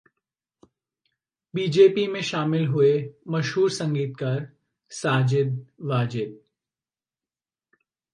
BJP में शामिल हुए मशहूर संगीतकार साजिद-वाजिद